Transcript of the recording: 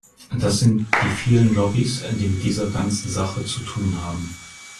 Das sind die vielen Lobbies, die mit dieser ganzen Sache zu tun haben.